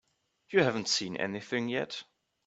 You haven't seen anything yet.